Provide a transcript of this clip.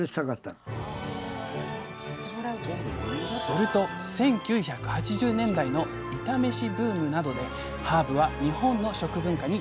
すると１９８０年代のイタ飯ブームなどでハーブは日本の食文化に定着。